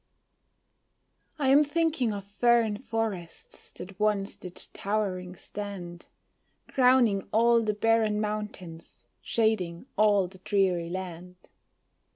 I am thinking of fern forests that once did towering stand, Crowning all the barren mountains, shading all the dreary land.